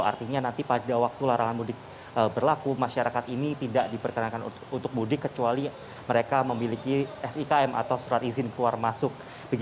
artinya nanti pada waktu larangan mudik berlaku masyarakat ini tidak diperkenankan untuk mudik kecuali mereka memiliki sikm atau surat izin keluar masuk